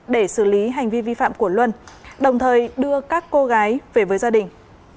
để xử lý hành vi vi phạm của luân đồng thời đưa các cô gái về với gia đình